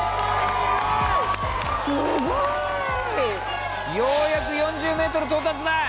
すごい！ようやく４０ｍ到達だ！